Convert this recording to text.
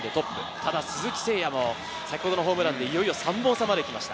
ただ鈴木誠也も先ほどのホームランでいよいよ３本差まで来ました。